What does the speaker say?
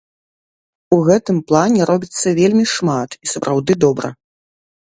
У гэтым плане робіцца вельмі шмат і сапраўды добра.